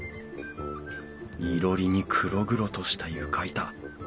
いろりに黒々とした床板。